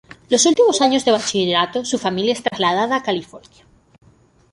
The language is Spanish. Los últimos años de bachillerato, su familia es trasladada a California.